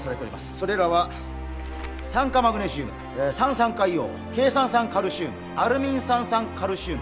それらは酸化マグネシウム三酸化硫黄ケイ酸三カルシウムアルミン酸三カルシウム